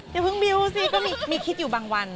อย่าเพิ่งบิ้วสิก็มีคิดอยู่บางวัน